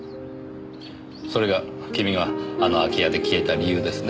それが君があの空き家で消えた理由ですね？